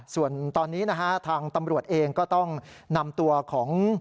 ส่วนตอนนี้นะฮะทางตำรวจเองก็ต้องนำตัวของ